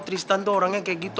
tristan tuh orangnya kayak gitu